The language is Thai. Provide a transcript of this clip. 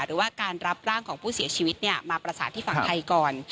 หรือว่าการรับร่างของผู้เสียชีวิตมาประสานที่ฝั่งไทยก่อน